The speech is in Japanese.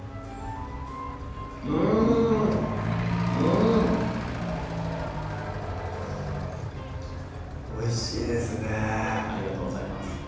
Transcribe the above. うんうんおいしいですねありがとうございます